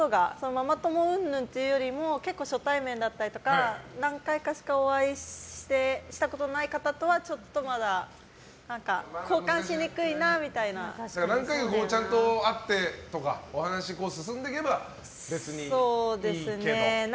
ママ友うんぬんというよりも結構、初対面だったり何回かしかお会いしたことのない人にはちょっとまだ何回もちゃんと会ってとかお話進んでいけば別にいいけどみたいな。